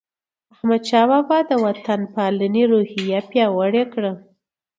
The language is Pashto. احمدشاه بابا د وطن پالنې روحیه پیاوړې کړه.